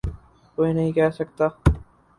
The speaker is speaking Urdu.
کوئی نہیں کہہ سکتا۔